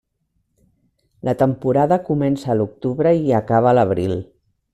La temporada comença a l'octubre i acaba a l'abril.